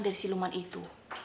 dari si luman itu